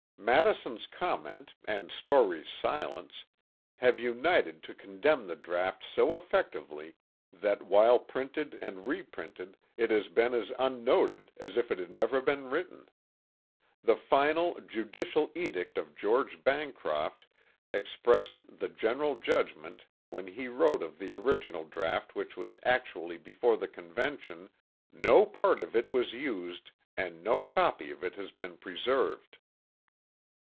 Madison's comment and Story's silence have united to condemn the draught so effectively that while printed and reprinted it has been as unnoted as if it had never been written. The final, judicial edict of George Bancroft expressed the general judgment when he wrote of the original draught which was actually before the Convention, "No part of it was used, and no copy of it has been preserved."